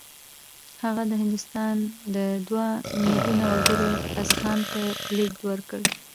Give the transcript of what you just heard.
هغه د هندوستان د دوه میلیونه وګړو اذهانو ته لېږد ورکړ